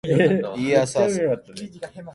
いーやーさーさ